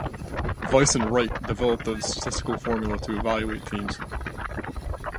Weiss and Wright developed a statistical formula to evaluate teams.